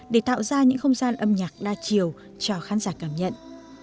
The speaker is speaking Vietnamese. để tạo ra những không gian âm nhạc đa chiều cho khán giả cảm nhận